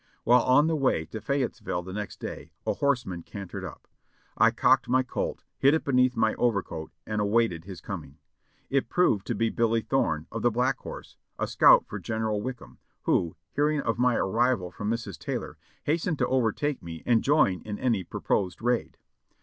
While on the way to Fayettesville the next day, a horseman cantered up. I cocked my Colt, hid it beneath my overcoat and awaited his coming. It proved to be Billy Thorne, of the Black Horse, a scout for General Wickham, who, hearing of my arrival from Mrs. Taylor, hastened to overtake me and join in any proposed raid.